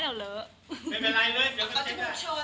เร้อก็ขอบพี่เคนเลยนะ